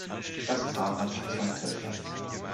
Das Paar hat zwei Töchter.